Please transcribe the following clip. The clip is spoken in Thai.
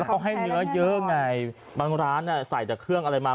เขาให้เนื้อเยอะไงบางร้านใส่แต่เครื่องอะไรมา